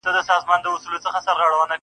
بلکې ویې ویل چې د حمزه شاعري